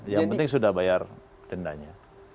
yang penting sudah bayar dendanya